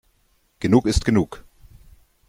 Genug ist genug.